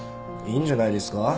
いいんじゃないですか？